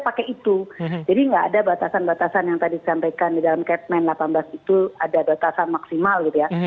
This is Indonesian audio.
pakai itu jadi nggak ada batasan batasan yang tadi disampaikan di dalam kepman delapan belas itu ada batasan maksimal gitu ya